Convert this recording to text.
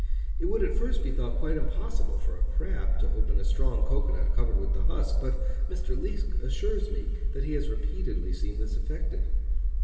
It would at first be thought quite impossible for a crab to open a strong cocoa nut covered with the husk; but Mr. Liesk assures me that he has repeatedly seen this effected.